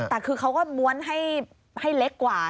แต่คือเขาก็ม้วนให้เล็กกว่า